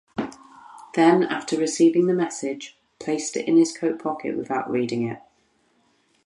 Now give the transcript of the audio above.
Then after receiving the message, placed it in his coat pocket without reading it.